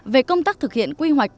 về công tác thực hiện quy hoạch